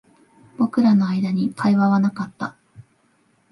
僕らの間に会話はなかった